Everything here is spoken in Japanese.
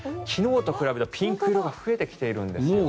昨日と比べるとピンク色が増えてきているんです。